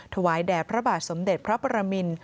ถวายแด่พระบาทสมเด็จพระปรมิน